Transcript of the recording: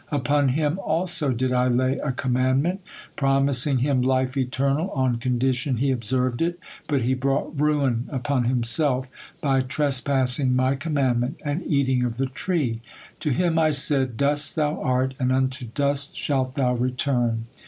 Upon him also did I lay a commandment, promising him life eternal on condition he observed it, but he brought ruin upon himself by trespassing My commandment and eating of the tree. To him I said, 'Dust thou art, and unto dust shalt thou return.'